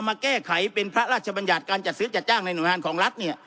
มาแก้ไขเป็นพระราชบัญญัติการจัดซื้อจัดจ้างในหน่วยงานของรัฐเนี่ย